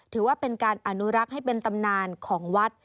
ถือว่าเป็นการอนุรักษ์ให้เป็นตำนานของวัด